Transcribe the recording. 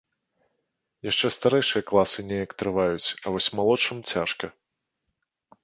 Яшчэ старэйшыя класы неяк трываюць, а вось малодшым цяжка.